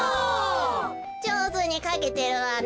じょうずにかけてるわね。